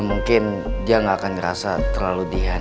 ya mungkin dia gak akan ngerasa terlalu dikhianatin